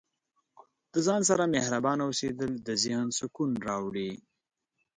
د ځان سره مهربانه اوسیدل د ذهن سکون راوړي.